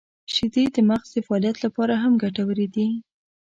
• شیدې د مغز د فعالیت لپاره هم ګټورې دي.